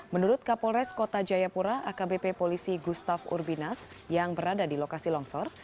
menurut kapolres kota jayapura akbp polisi gustaf urbinas yang berada di lokasi longsor